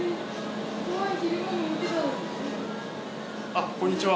あっこんにちは。